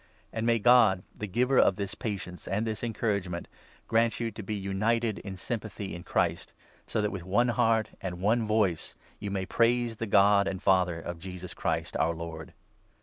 And may God, 5 the giver of this patience and this encouragement, grant you to be united in sympathy in Christ, so that with one heart and 6 one voice you may praise the God and Father of Jesus Christ, our Lord.